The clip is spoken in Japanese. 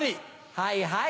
はいはい。